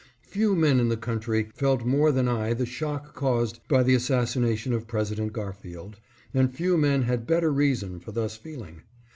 Few men in the country felt more than I the shock caused by the assassination of President Garfield, and few men had better reason for thus feeling.